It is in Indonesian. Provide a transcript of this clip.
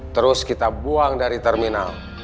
terus kita buang dari terminal